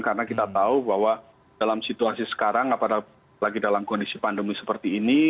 karena kita tahu bahwa dalam situasi sekarang apalagi dalam kondisi pandemi seperti ini